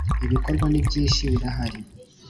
Ibikorwa nibyishi Bihari.